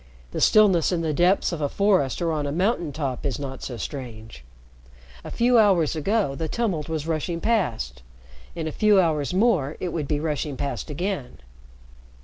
The stillness in the depths of a forest or on a mountain top is not so strange. A few hours ago, the tumult was rushing past; in a few hours more, it will be rushing past again.